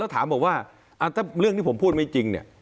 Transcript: ถามบอกว่าถ้าเรื่องที่ผมพูดไม่จริงเนี่ย